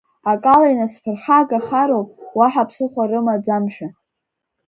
Акала инасԥырхагахароуп, уаҳа ԥсыхәа рымаӡамшәа…